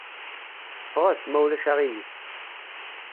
Ffɣet, ma ulac aɣilif.